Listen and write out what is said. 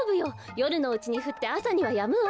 よるのうちにふってあさにはやむわ。